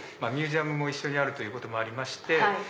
ミュージアムも一緒にあるということもありまして